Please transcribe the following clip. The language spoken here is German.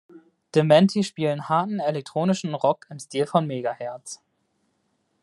Dementi spielen harten elektronischen Rock im Stil von Megaherz.